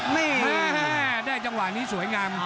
นี่ได้จังหวะนี้สวยงาม